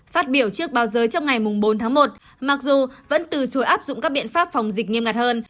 phát biểu trước báo giới trong ngày bốn tháng một mặc dù vẫn từ chối áp dụng các biện pháp phòng dịch nghiêm ngặt hơn